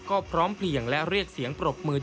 ก็พร้อมเพลียงและเรียกเสียงปรบมือ